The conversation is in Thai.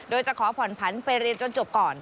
โดยจะขอผ่อนผันไปเรียนจนจบก่อน